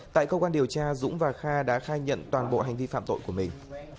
tại cơ quan điều tra dũng và kha đã khai nhận toàn bộ hành vi phạm tội của mình